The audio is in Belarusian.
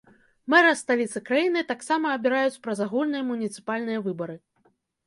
Мэра сталіцы краіны, таксама абіраюць праз агульныя муніцыпальныя выбары.